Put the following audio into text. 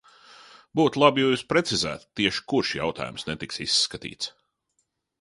Būtu labi, ja jūs precizētu, tieši kurš jautājums netiks izskatīts.